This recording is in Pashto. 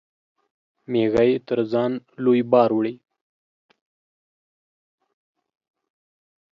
مېږى تر ځان لوى بار وړي.